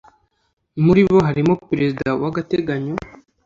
Muri bo harimo Perezida wagateganyo